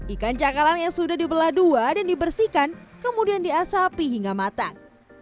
ikan cakalang yang sudah dibelah dua dan dibersihkan kemudian diasapi hingga matang